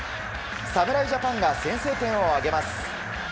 侍ジャパンが先制点を挙げます。